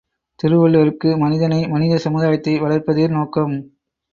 திருவள்ளுவருக்கு மனிதனை மனித சமுதாயத்தை வளர்ப்பதே நோக்கம்.